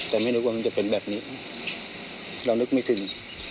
แต่ไม่นึกว่ามันจะเป็นแบบนี้เรานึกไม่ถึง